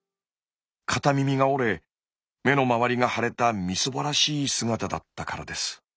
片耳が折れ目の周りが腫れたみすぼらしい姿だったからです。